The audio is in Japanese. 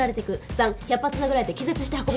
３「１００発殴られて気絶して運び出される」。